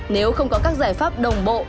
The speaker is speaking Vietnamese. nếu không có các giải pháp đồng bộ